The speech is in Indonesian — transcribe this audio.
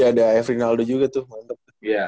ada efri naldo juga tuh mantep